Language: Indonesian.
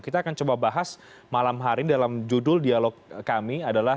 kita akan coba bahas malam hari ini dalam judul dialog kami adalah